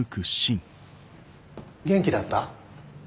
元気だった？